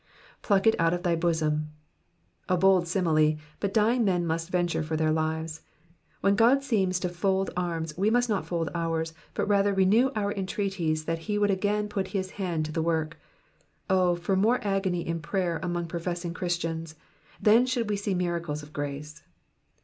'*^^ Pluck it out of thy bosom.'''* A bold simile, but dying men must venture for their lives. When God seems to fold his arms we must not fold ours, but rather renew our entreaties that he would a^ain put his hand to the work. O for more agony in prayer among professmg Christians, then should we see miracles of grace.